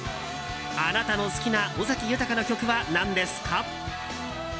あなたの好きな尾崎豊の曲は何ですか？